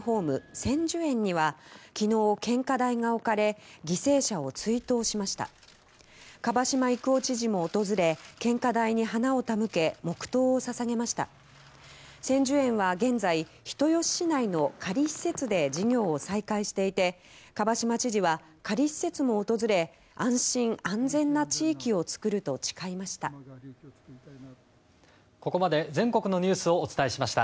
千寿園は現在、人吉市内の仮施設で事業を再開していて蒲島知事は仮施設も訪れ安心・安全な地域を作ると誓いました。